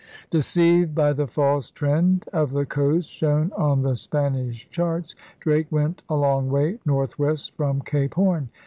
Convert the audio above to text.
Deceived by the false trend of the coast shown on the Spanish charts Drake went a long way northwest from Cape Horn.